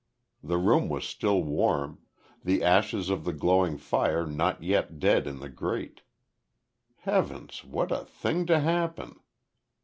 The room was still warm, the ashes of the glowing fire not yet dead in the grate. Heavens, what a thing to happen!